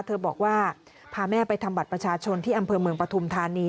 บอกว่าพาแม่ไปทำบัตรประชาชนที่อำเภอเมืองปฐุมธานี